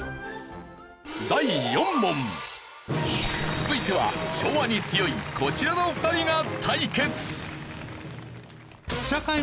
続いては昭和に強いこちらの２人が対決！